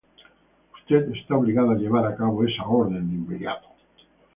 Usted está obligado a llevar a cabo esta orden de inmediato.